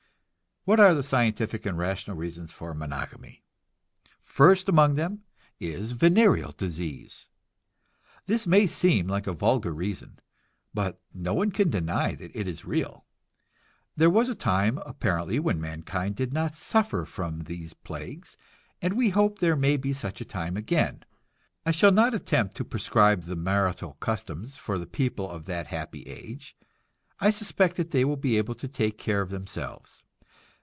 What are the scientific and rational reasons for monogamy? First among them is venereal disease. This may seem like a vulgar reason, but no one can deny that it is real. There was a time, apparently, when mankind did not suffer from these plagues, and we hope there may be such a time again. I shall not attempt to prescribe the marital customs for the people of that happy age; I suspect that they will be able to take care of themselves.